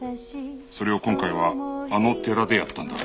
それを今回はあの寺でやったんだ。